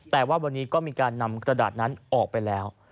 แต่ว่าวันนี้ก็มีการนำกระดาษนั้นออกไปแล้ว